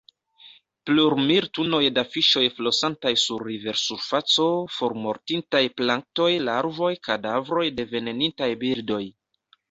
Plurmil tunoj da fiŝoj flosantaj sur riversurfaco; formortintaj planktoj, larvoj; kadavroj de venenitaj birdoj.